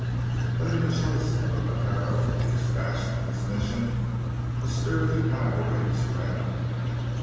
But in the choice of a vaquero to be dispatched on this mission, a spirited rivalry sprang up.